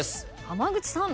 浜口さん。